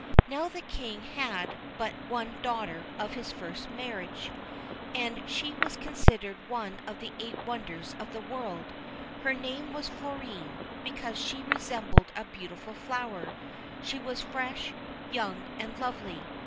Now the King had but one daughter of his first marriage, and she was considered one of the eight wonders of the world ; her name was Florine, because she resembled a beautiful flower: she was fresh, young and lovely.